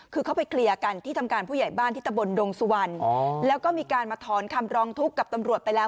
คือเขาไปเคลียร์กันที่ทำการผู้ใหญ่บ้านที่ตะบนดงสุวรรณแล้วก็มีการมาถอนคำร้องทุกข์กับตำรวจไปแล้ว